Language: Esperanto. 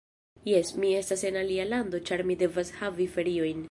Jes, mi estas en alia lando ĉar mi devas havi feriojn